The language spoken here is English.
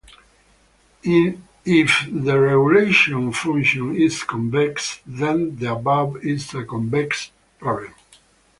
If the regularization function is convex, then the above is a convex problem.